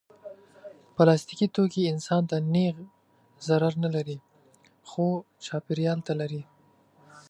پلاستيکي توکي انسان ته نېغ ضرر نه لري، خو چاپېریال ته لري.